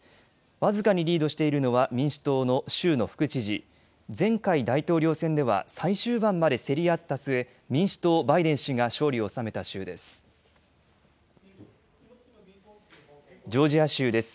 僅かにリードしているのは民主党の州の副知事、前回大統領選では最終盤まで競り合った末、民主党バイデン氏が勝利を収めた州です。